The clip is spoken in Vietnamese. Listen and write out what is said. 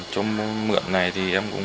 trong mượn này thì em cũng